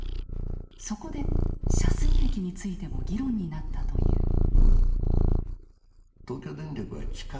そこで遮水壁についても議論になったという。